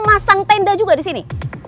mau masang tenda juga disini